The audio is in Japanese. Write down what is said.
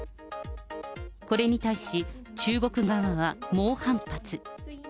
これに対し中国側は猛反発。